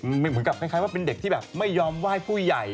เหมือนกับคล้ายว่าเป็นเด็กที่แบบไม่ยอมไหว้ผู้ใหญ่